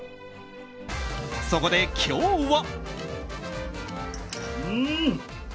そこで、今日は。